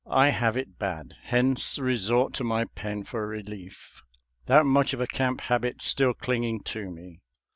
I have it bad, hence resort to my pen for relief — that much of a camp habit still clinging to me.